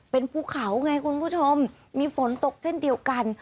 เป็นภูเขาไงคุณผู้ชมมีฝนตกเช่นเดียวกัน